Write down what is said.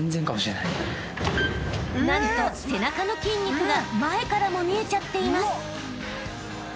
［何と背中の筋肉が前からも見えちゃっています］